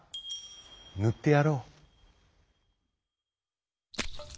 ぬってやろう」。